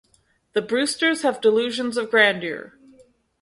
The Brewsters have delusions of grandeur.